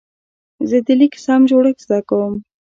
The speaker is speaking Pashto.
زه د لیک سم جوړښت زده کوم.